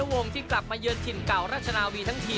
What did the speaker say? วงที่กลับมาเยือนถิ่นเก่าราชนาวีทั้งที